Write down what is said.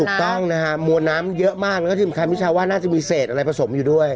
ถูกต้องนะฮะมวลน้ำเยอะมากแล้วก็ที่สำคัญมิชาว่าน่าจะมีเศษอะไรผสมอยู่ด้วย